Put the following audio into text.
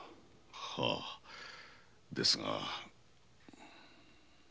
はぁですが。